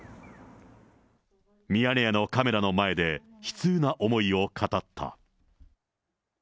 ミヤネ屋のカメラの前で、悲痛な思いを語った。